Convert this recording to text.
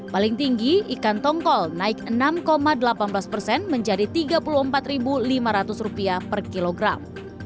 paling tinggi ikan tongkol naik enam delapan belas persen menjadi rp tiga puluh empat lima ratus per kilogram